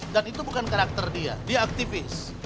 dan itu bukan karakter dia dia aktivis